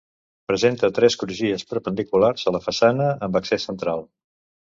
Presenta tres crugies perpendiculars a la façana, amb accés central.